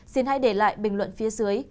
xin hãy để lại bình luận phía dưới